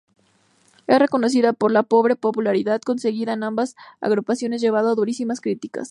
Es reconocida por la pobre popularidad conseguida en ambas agrupaciones, llevado a durísimas criticas.